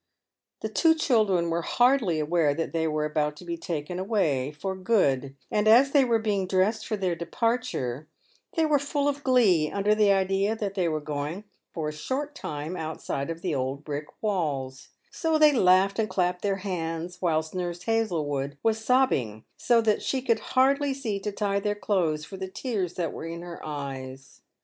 The two children were hardly aware that they were about to be taken away "for good;" and as they were being dressed for their departure, they were full of glee, under the idea that they were going for a short time outside of the old brick walls ; so they laughed and clapped their hands, whilst Nurse Hazlewood was sobbing so that she could hardly see to tie their clothes for the tears that were in her eyes.